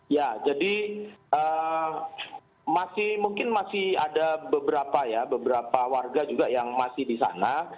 ya jadi mungkin masih ada beberapa ya beberapa warga juga yang masih di sana